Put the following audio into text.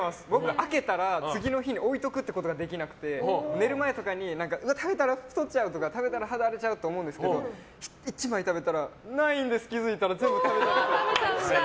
開けたら次の日に置いておくことができなくて、寝る前とかに食べたら太っちゃうとか食べたら肌荒れちゃうとか思っちゃうんですけど１枚食べたらないんです